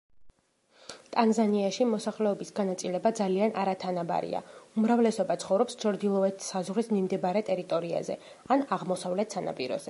ტანზანიაში მოსახლეობის განაწილება ძალიან არათანაბარია, უმრავლეობა ცხოვრობს ჩრდილოეთ საზღვრის მიმდებარე ტერიტორიაზე ან აღმოსავლეთ სანაპიროზე.